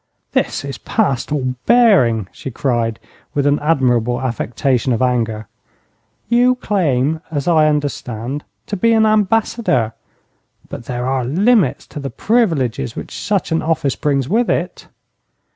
'This is past all bearing,' she cried, with an admirable affectation of anger. 'You claim, as I understand, to be an ambassador, but there are limits to the privileges which such an office brings with it.'